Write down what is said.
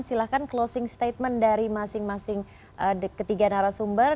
silahkan closing statement dari masing masing ketiga narasumber